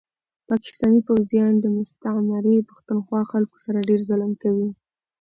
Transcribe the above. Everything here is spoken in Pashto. پاکستاني پوځيان دي مستعمري پښتونخوا خلکو سره ډير ظلم کوي